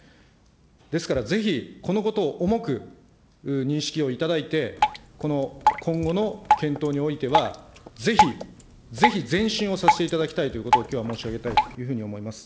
ですから、ぜひ、このことを重く認識をいただいて、この今後の検討においては、ぜひ、ぜひ前進をさせていただきたいということを、きょうは申し上げたいというふうに思います。